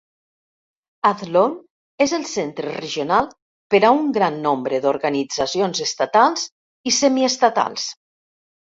Athlone és el centre regional per a un gran nombre d'organitzacions estatals i semiestatals.